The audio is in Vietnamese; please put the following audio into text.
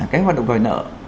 cái hoạt động đòi nợ